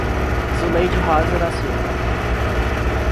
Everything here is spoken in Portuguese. Zuleide Rosa da Silva